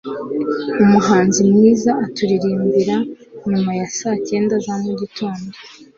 umuhanzi mwiza araturirimbira nyuma ya saa cyenda za mugitondo